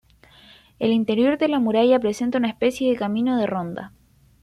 El interior de la muralla presenta una especie de camino de ronda.